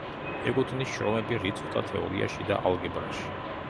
ეკუთვნის შრომები რიცხვთა თეორიაში და ალგებრაში.